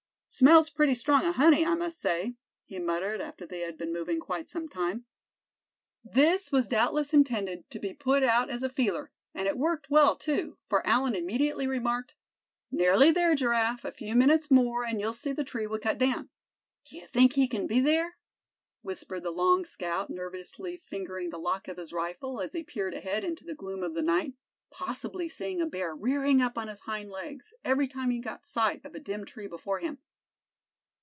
"Smells pretty strong of honey, I must say," he muttered, after they had been moving quite some time. This was doubtless intended to be put out as a "feeler;" and it worked well too, for Allan immediately remarked: "Nearly there, Giraffe; a few minutes more, and you'll see the tree we cut down." "D'ye think he c'n be there?" whispered the long scout, nervously fingering the lock of his rifle, as he peered ahead into the gloom of the night, possibly seeing a bear rearing up on his hind legs, every time he caught sight of a dim tree before him.